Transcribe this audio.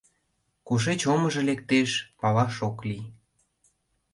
Кушеч омыжо лектеш, палаш ок лий.